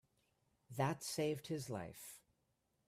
That saved his life.